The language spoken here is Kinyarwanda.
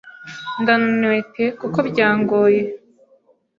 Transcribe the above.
Ndananiwe pe kuko byangoye